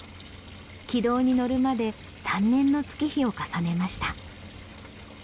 軌道にのるまで３年の月日を重ねました。